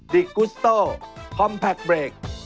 ดิกกุสโต้คอมแพคเบรก